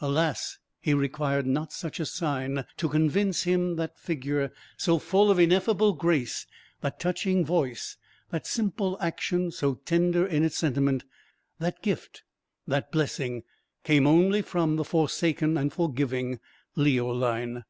Alas, he required not such a sign to convince him that that figure, so full of ineffable grace, that touching voice, that simple action so tender in its sentiment, that gift, that blessing, came only from the forsaken and forgiving Leoline.